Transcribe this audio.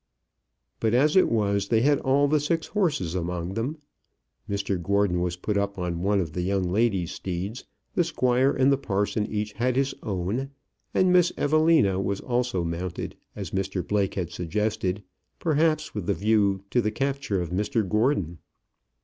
But as it was, they had all the six horses among them. Mr Gordon was put up on one of the young ladies' steeds, the squire and the parson each had his own, and Miss Evelina was also mounted, as Mr Blake had suggested, perhaps with the view to the capture of Mr Gordon.